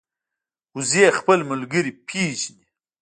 وزې خپل ملګري پېژني